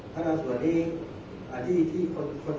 ถ้าเราส่วนนี้คนที่ก็ทำอยู่นะครับ